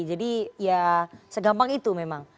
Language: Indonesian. jadi ya segampang itu memang